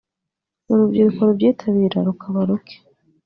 urubyiruko rubyitabira rukaba ruke